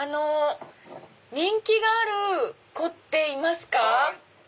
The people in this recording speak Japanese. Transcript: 人気がある子っていますか？